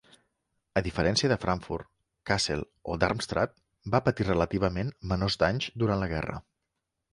A diferència de Frankfurt, Kassel o Darmstadt va patir relativament menors danys durant la guerra.